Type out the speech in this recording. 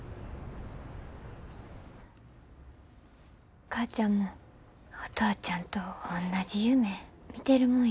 お母ちゃんもお父ちゃんとおんなじ夢みてるもんやと思ってた。